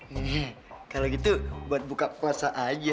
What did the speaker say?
hmm kalau gitu buat buka puasa aja